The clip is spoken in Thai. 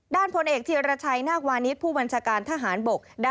ด้านผลเอกษีราชัยนากวานิตผู้บัญชาการทหารบก